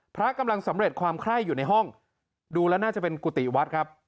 พระกำลังสำเร็จความไคร้อยู่ในห้องดูแล้วน่าจะเป็นกุฏิวัดครับ